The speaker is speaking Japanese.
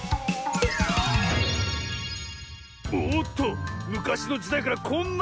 おっとむかしのじだいからこんなものが！